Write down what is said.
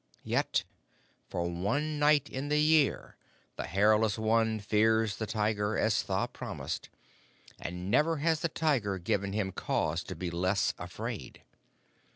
Yet for one night in the year the Hairless One fears the Tiger, as Tha promised, and never has the Tiger given him cause to be less afraid.